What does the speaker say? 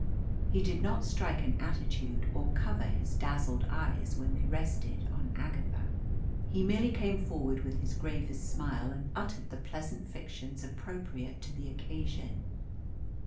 He did not strike an attitude or cover his dazzled eyes when they rested on Agatha. He merely came forward with his gravest smile and uttered the pleasant fictions appropriate to the occasion.